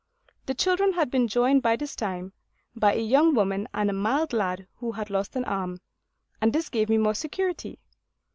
The children had been joined by this time by a young woman and a mild lad who had lost an arm; and this gave me more security.